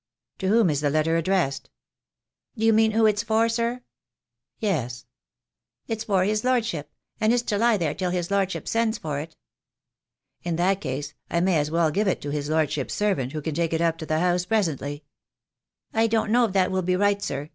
"To whom is the letter addressed?" "Do you mean who it's for, sir?" "Yes." "It's for his lordship — and it's to lie there till his lordship sends for it." "In that case I may as well give it to his lordship's servant, who can take it up to the house presently." "I don't know if that will be right, sir.